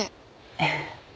ええ。